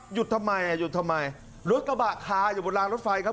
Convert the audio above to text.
หยุดทำไมหยุดทำไมรถกระบาดคาอยู่บนร้านรถไฟครับ